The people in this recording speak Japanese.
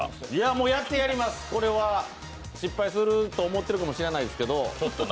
もうやってやります、これは失敗すると思ってるかもしれないですけど。